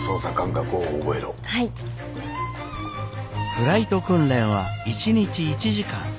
フライト訓練は一日１時間。